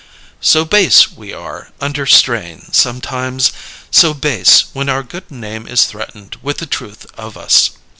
So base we are under strain, sometimes so base when our good name is threatened with the truth of us!